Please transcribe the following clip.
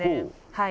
はい。